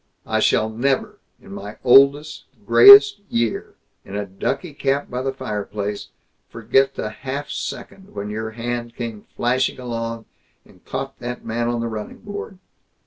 I shall never, in my oldest grayest year, in a ducky cap by the fireplace, forget the half second when your hand came flashing along, and caught that man on the running board.